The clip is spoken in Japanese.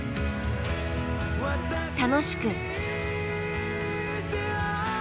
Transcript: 楽しく。